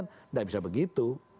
nggak bisa begitu